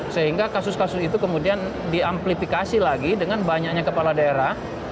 sehingga kasus kasus itu kemudian diamplifikasi lagi dengan banyaknya kepala daerah